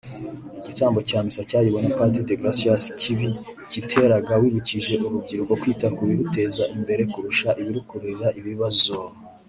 igitambo cya misa cyayobowe na Padiri Deogratius Kiibi Katerega wibukije urubyiruko “kwita ku biruteza imbere kurusha ibirukururira ibibazo